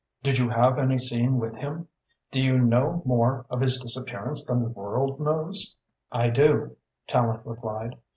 Did you have any scene with him? Do you know more of his disappearance than the world knows?" "I do," Tallente replied.